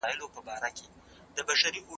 کمپيوټر ضايعات کموي.